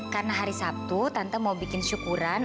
karena hari sabtu tante mau bikin syukuran